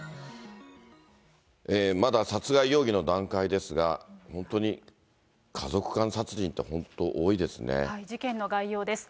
まだ殺害容疑の段階ですが、本当に家族間殺人って本当、多いですね。